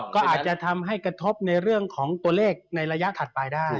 ก็อาจจะทำให้กระทบในเรื่องของตัวเลขในระยะถัดไปได้